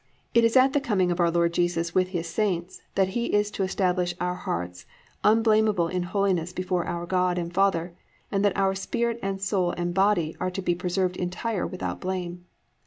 "+ It is "at the coming of our Lord Jesus with all His saints" that He is to establish our hearts unblamable in holiness before our God and Father and that our spirit and soul and body are to be preserved entire without blame.